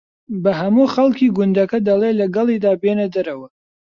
بە ھەموو خەڵکی گوندەکە دەڵێ لەگەڵیدا بێنە دەرەوە